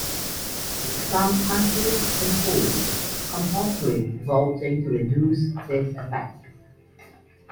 Some countries enforce compulsory voting to reduce this effect.